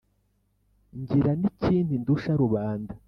ngira n’ikindi ndusha rubanda :